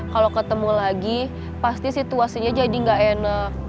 kalau ketemu lagi pasti situasinya jadi gak enak